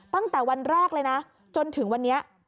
ตั้งแต่วันแรกเลยนะจนถึงวันนี้